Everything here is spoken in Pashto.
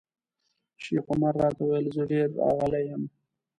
شیخ عمر راته وویل زه ډېر راغلی یم.